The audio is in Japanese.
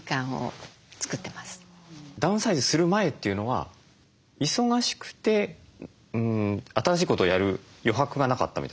ダウンサイズする前というのは忙しくて新しいことをやる余白がなかったみたいなそういうことですか？